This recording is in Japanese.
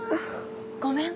ごめん。